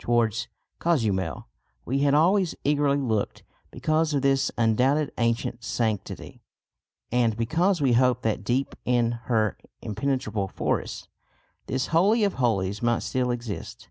Towards Cozumel we had always eagerly looked because of this undoubted ancient sanctity, and because we hoped that deep in her impenetrable forests, this Holy of Holies might still exist.